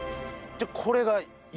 これが。